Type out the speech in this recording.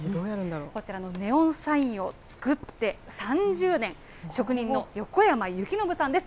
こちらのネオンサインを作って３０年、職人の横山幸宣さんです。